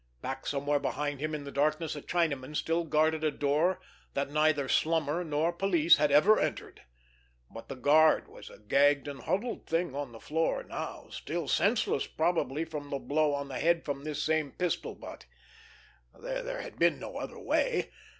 Back somewhere behind him in the darkness a Chinaman still guarded a door that neither slummer nor police had ever entered; but the guard was a gagged and huddled thing on the floor now, still senseless probably from the blow on the head from this same pistol butt. There had been no other way.